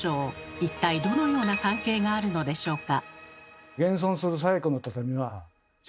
一体どのような関係があるのでしょうか？